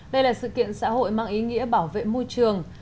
đây là sự kiện xã hội mang ý nghĩa bảo vệ môi trường